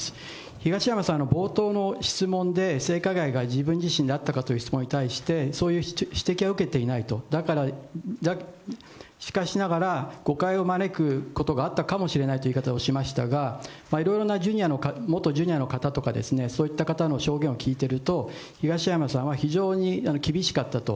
東山さん、冒頭の質問で、性加害が自分自身であったかという質問に対して、そういう指摘は受けていないと、しかしながら、誤解を招くことがあったかもしれないという言い方をしましたが、いろいろな元ジュニアの方とか、そういった方の証言を聞いてると、東山さんは非常に厳しかったと。